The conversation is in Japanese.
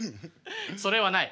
それはない。